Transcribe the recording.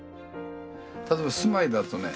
例えば住まいだとね